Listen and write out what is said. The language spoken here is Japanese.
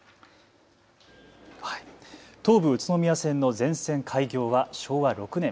東武宇都宮線の全線開業は昭和６年。